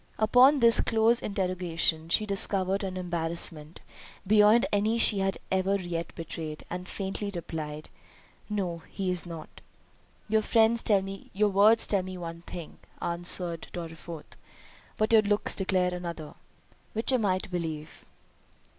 Upon this close interrogation she discovered an embarrassment, beyond any she had ever yet betrayed, and faintly replied, "No, he is not." "Your words tell me one thing," answered Dorriforth, "but your looks declare another—which am I to believe?"